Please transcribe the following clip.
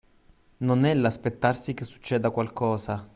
Non è l’aspettarsi che succeda qualcosa